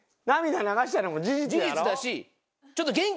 事実だし。